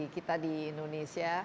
kita di indonesia